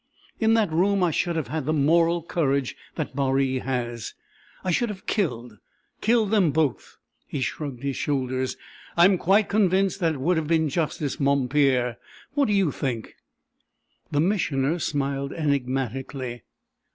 In that room I should have had the moral courage that Baree has; I should have killed killed them both!" He shrugged his shoulders. "I am quite convinced that it would have been justice, mon Père. What do you think?" The Missioner smiled enigmatically.